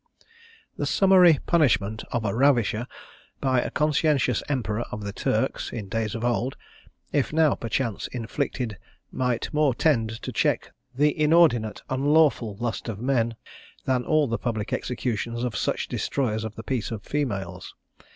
The summary punishment of a ravisher, by a conscientious Emperor of the Turks, in days of old, if now, perchance, inflicted, might more tend to check the inordinate, unlawful lust of men, than all the public executions of such destroyers of the peace of females.